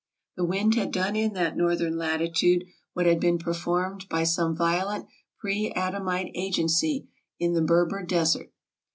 The wind had done in that northern latitude what had been performed by some violent pre Adamite agency in the Ber ASIA 305 ber desert.